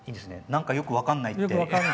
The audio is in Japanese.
「なんかよくわかんない」って。